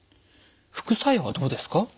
副作用はどうですか？